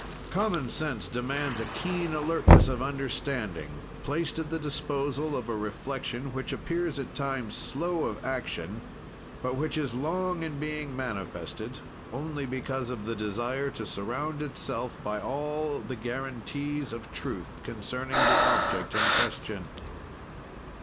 "Common sense demands a keen alertness of understanding, placed at the disposal of a reflection which appears at times slow of action, but which is long in being manifested only because of the desire to surround itself by all the guaranties of truth concerning the object in question.